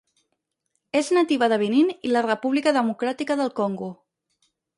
És nativa de Benín i la República democràtica del Congo.